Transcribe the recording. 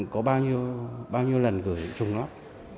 có bao nhiêu lần gửi trung lập